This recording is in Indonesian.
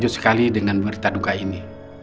sekarang dia di icu